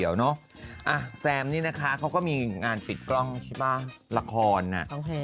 เอาแซมเนี่ยนะคะเขาก็มีงานปิดกล้องราคอน่ะ